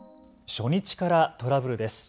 初日からトラブルです。